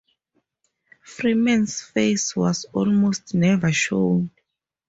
Freeman's face was almost never shown.